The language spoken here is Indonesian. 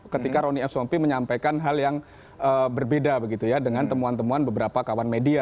ketika ronny of sompi menyampaikan hal yang berbeda dengan temuan temuan beberapa kawan media